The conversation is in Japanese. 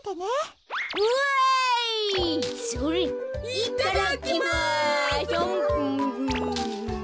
いただきます！